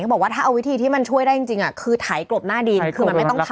เธอบอกว่าถ้าเอาวิธีที่ช่วยได้จริงน่ะคือไถกรบหน้าดินคือไม่ต้องเผา